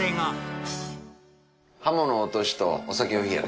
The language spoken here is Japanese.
鱧の落としとお酒を冷やで。